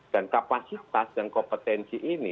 dan kapasitas dan kompetensi ini